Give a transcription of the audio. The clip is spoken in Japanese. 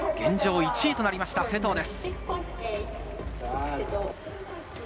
１位となりました勢藤です。